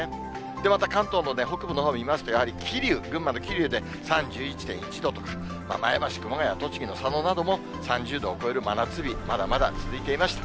また関東の北部のほう見ますと、やはり桐生、群馬の桐生で３１．１度と、前橋、熊谷、栃木の佐野なども３０度を超える真夏日、まだまだ続いていました。